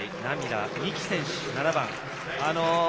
三木選手、７番。